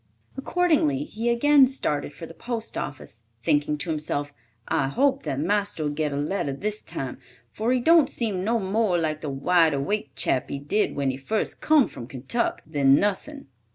Accordingly he again started for the post office, thinking to himself, "I hope that marster'll get a letter this time, for he don't seem no more like the wide awake chap he did when he first come from Kentuck, than nothin'.